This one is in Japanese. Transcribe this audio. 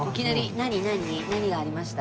何がありました？